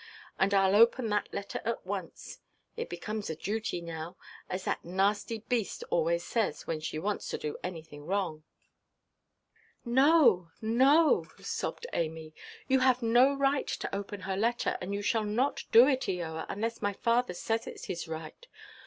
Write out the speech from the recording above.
And Iʼll open that letter at once. It becomes a duty now; as that nasty beast always says, when she wants to do anything wrong." "No, no!" sobbed Amy, "you have no right to open her letter, and you shall not do it, Eoa, unless my father says that it is right.